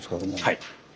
はい。